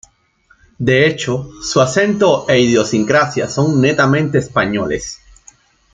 De hecho, su acento e idiosincrasia son netamente españoles.